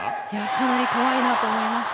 かなり怖いなと思いました。